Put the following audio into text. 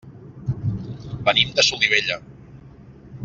Venim de Solivella.